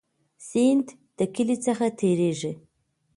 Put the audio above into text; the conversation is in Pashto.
سیند د کلی څخه تیریږي